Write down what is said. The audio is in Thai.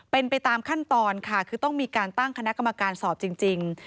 เป็นไปตามขั้นตอนค่ะคือต้องมีการตั้งคณะกรรมการสอบจริง